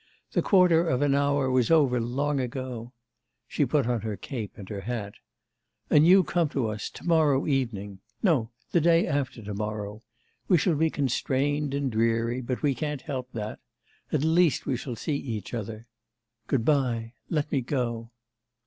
The quarter of an hour was over long ago.' She put on her cape and hat. 'And you come to us to morrow evening. No, the day after to morrow. We shall be constrained and dreary, but we can't help that; at least we shall see each other. Good bye. Let me go.